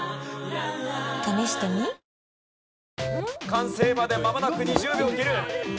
完成までまもなく２０秒切る！